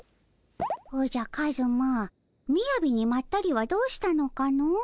おじゃカズマみやびにまったりはどうしたのかの？